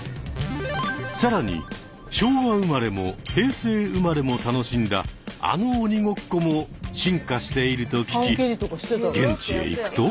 更に昭和生まれも平成生まれも楽しんだあの鬼ごっこも進化していると聞き現地へ行くと。